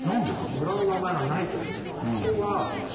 村の名前がないという事は。